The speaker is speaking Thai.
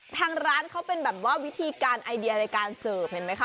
ทางร้านเขาเป็นแบบว่าวิธีการไอเดียในการเสิร์ฟเห็นไหมคะ